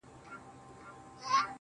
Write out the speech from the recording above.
د ژوندون نور وړی دی اوس په مدعا يمه زه.